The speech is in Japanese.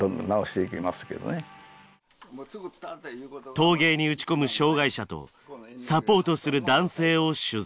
陶芸に打ち込む障害者とサポートする男性を取材。